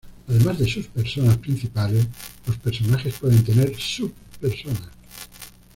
Además de sus Personas principales, los personajes pueden tener sub-Personas.